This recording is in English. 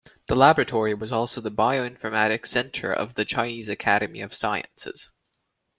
The laboratory was also the Bioinformatics Center of the Chinese Academy of Sciences.